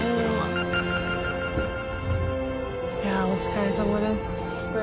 いやあお疲れさまです。